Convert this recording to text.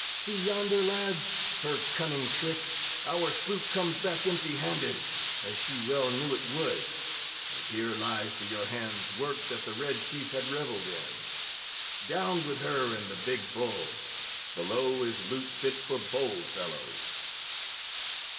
See yonder, lads her cunning trick our sloop comes back empty handed, as she well knew it would and here lies to your hands work that the Red Chief had reveled in. Down with her and the big bull! Below is loot fit for bold fellows."